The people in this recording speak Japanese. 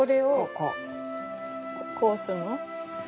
こうするの？